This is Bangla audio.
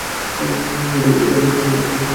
এটা ইংল্যান্ডের রাজধানী।